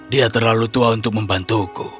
dia terlalu tua untuk membantuku